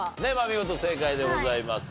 見事正解でございます。